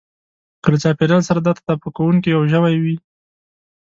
که له چاپېريال سره دا تطابق کوونکی يو ژوی وي.